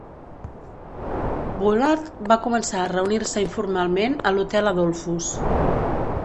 Bullard va començar a reunir-se informalment a l'Hotel Adolphus.